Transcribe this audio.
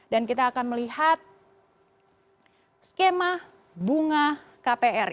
dan kita akan melihat skema bunga kpr